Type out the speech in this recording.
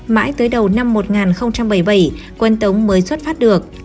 mãi tới đầu năm một nghìn bảy mươi bảy quân tống mới xuất phát được